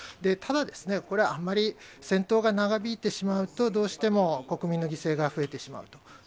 ただですね、これ、あんまり戦闘が長引いてしまうと、どうしても国民の犠牲が増えてしまうと。